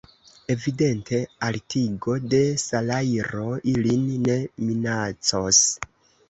Evidente altigo de salajro ilin ne minacos.